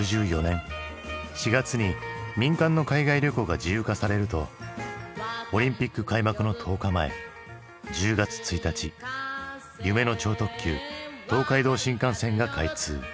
４月に民間の海外旅行が自由化されるとオリンピック開幕の１０日前１０月１日夢の超特急東海道新幹線が開通。